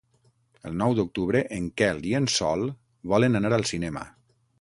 El nou d'octubre en Quel i en Sol volen anar al cinema.